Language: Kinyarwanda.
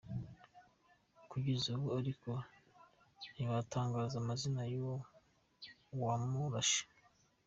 Kugeza ubu ariko ntibatangaza amazina y’uwo wamurashe.